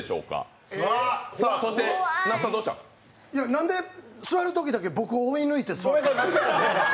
なんで座るときだけ僕を追い抜いて座ったの？